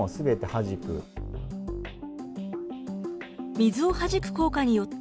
水をはじく効果によって、